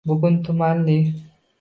Bugun tumanli